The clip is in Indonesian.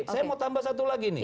saya mau tambah satu lagi nih